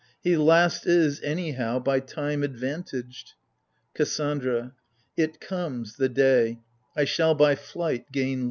He last is, anyhow, by time advantaged. KASSANDRA. It comes, the day : I shall by flight gain little.